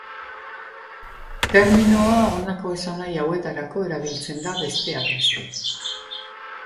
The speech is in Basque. Terminoa honako esanahi hauetarako erabiltzen da, besteak beste.